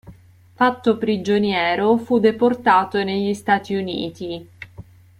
Fatto prigioniero, fu deportato negli Stati Uniti.